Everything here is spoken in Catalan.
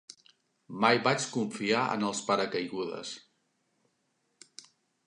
Mai vaig confiar en els paracaigudes.